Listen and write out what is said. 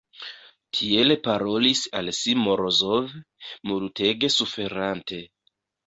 Tiel parolis al si Morozov, multege suferante.